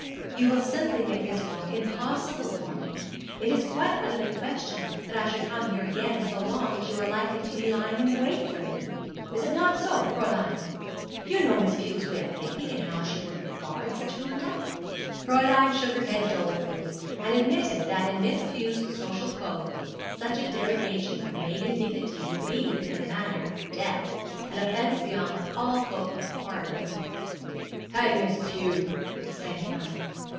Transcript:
'You will simply make this walk impossible for me. It is quite out of the question that I should come here again so long as you are likely to be lying in wait for me. Is it not so, Fräulein? You know Miss Pew's way of thinking, and how she would regard such conduct.' Fräulein shook her head dolefully, and admitted that in Miss Pew's social code such a derogation from maiden dignity would be, in a manner, death an offence beyond all hope of pardon. 'Hang Miss Pew!' exclaimed Brian.